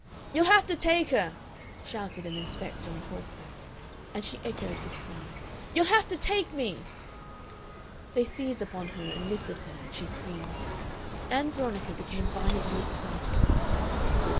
"You'll have to take her!" shouted an inspector on horseback, and she echoed his cry: "You'll have to take me!" They seized upon her and lifted her, and she screamed. Ann Veronica became violently excited at the sight.